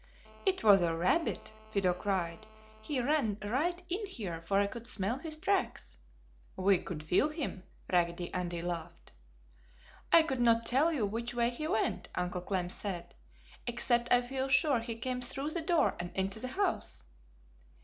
"It was a rabbit!" Fido cried. "He ran right in here, for I could smell his tracks!" "We could feel him!" Raggedy Andy laughed. "I could not tell you which way he went!" Uncle Clem said, "Except I feel sure he came through the door and into the house!"